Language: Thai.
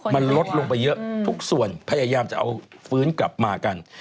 มันลดลงไปเยอะทุกส่วนพยายามจะเอาฟื้นกลับมากัน